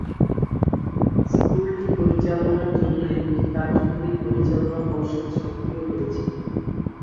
স্কুলটি পরিচালনার জন্য একটি কার্যকরী পরিচালনা পর্ষদ সক্রিয় রয়েছে।